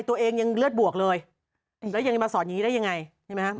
ตัวเองยังเลือดบวกเลยแล้วยังมาสอนอย่างนี้ได้ยังไงใช่ไหมครับ